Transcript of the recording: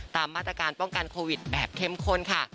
ตามมาตรการป้องกันโควิดแบบเข้มข้นค่ะ